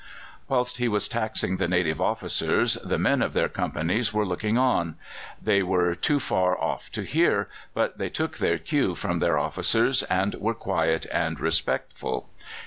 Whilst he was taxing the native officers, the men of their companies were looking on they were too far off to hear; but they took their cue from their officers and were quiet and respectful.